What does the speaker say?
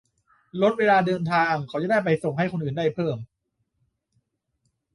- ลดเวลาเดินทาง เขาจะได้ไปส่งให้คนอื่นได้เพิ่ม